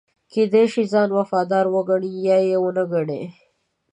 کېدای شي ځان وفادار وګڼي یا یې ونه ګڼي.